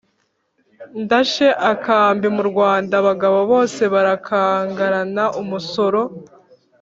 Ndashe akambi mu Rwanda abagabo bose barakangarana-Umusoro.